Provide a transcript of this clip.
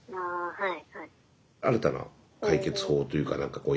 はい。